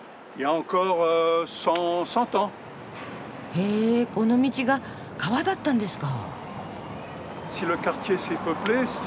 へえこの道が川だったんですか。